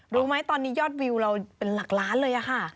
รู้ไหมตอนนี้ยอดวิวเราเป็นหลักล้านเลยค่ะ